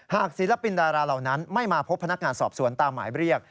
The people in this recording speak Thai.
ศิลปินดาราเหล่านั้นไม่มาพบพนักงานสอบสวนตามหมายเรียก